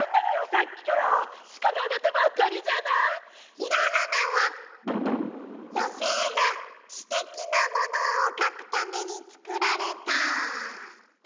ひらがなは女性が私的なものを書くために作られた。